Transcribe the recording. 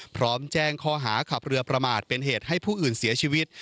พร้อมแจ้งข้อหาขับเรือประมาทเป็นเหตุให้ผู้อื่นเสียชีวิต